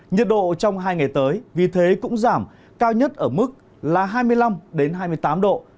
nhiệt độ trong hai ngày tới vì thế cũng giảm cao nhất ở mức là hai mươi năm hai mươi tám độ